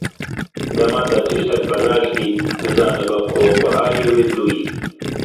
Dema te tiştekî belaş dît, bizanibe ku bihayê wê tu yî.